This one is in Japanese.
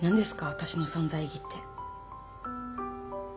私の存在意義って。